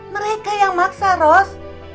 mereka yang maksa ros